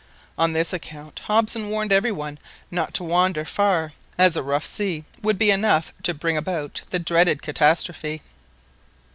On this account Hobson warned every one not to wander far, as a rough sea would be enough to bring about the dreaded catastrophe.